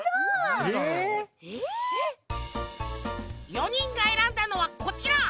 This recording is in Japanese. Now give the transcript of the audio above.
４にんがえらんだのはこちら。